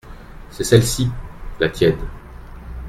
C’est celle-ci la tienne.